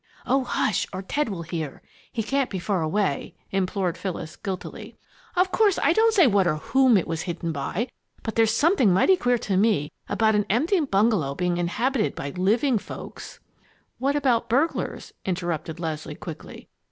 "Oh, hush! or Ted will hear. He can't be far away," implored Phyllis, guiltily. "Of course, I don't say what or whom it was hidden by, but there's something mighty queer to me about an empty bungalow being inhabited by living folks " "What about burglars?" interrupted Leslie, quickly.